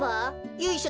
ゆいしょ